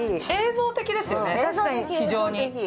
映像的ですよね、非常に。